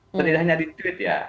tidak hanya di tweet ya